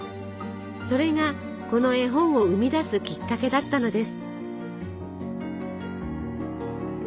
それがこの絵本を生み出すきっかけだったのです。